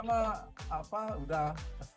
kita nama apa udah